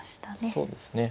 そうですね。